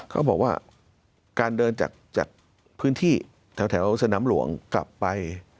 เขาบอกว่าการเดินจากพื้นที่แถวสนามหลวงกลับไป